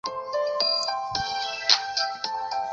斯洛文尼亚总统列表